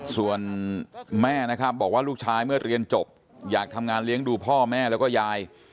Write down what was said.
ส่วนแม่นะครับบอกว่าลูกชายเมื่อเรียนจบอยากทำงานเลี้ยงดูพ่อแม่แล้วก็ยาย